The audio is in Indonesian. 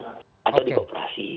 atau di koperasi